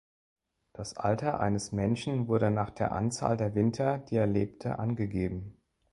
Das Alter eines Menschen wurde nach der Anzahl der Winter, die er lebte, angegeben.